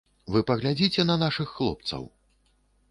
Вы паглядзіце на нашых хлопцаў.